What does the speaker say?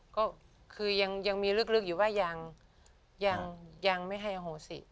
ก็คือยังมีลึกอยู่ว่ายังไม่ให้อโหสิ